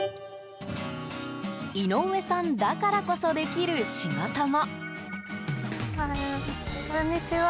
井上さんだからこそできる仕事も。